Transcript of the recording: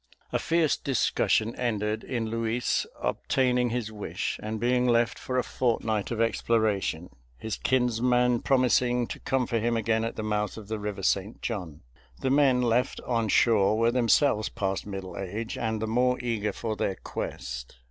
A fierce discussion ended in Luis obtaining his wish, and being left for a fortnight of exploration; his kinsman promising to come for him again at the mouth of the river St. John. The men left on shore were themselves past middle age, and the more eager for their quest.